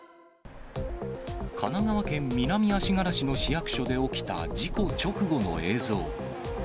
神奈川県南足柄市の市役所で起きた事故直後の映像。